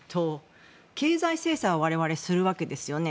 経済制裁を我々はするわけですよね。